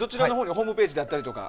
ホームページだったりとか。